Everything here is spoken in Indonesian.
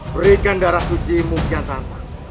berikan darah suci mu kian santam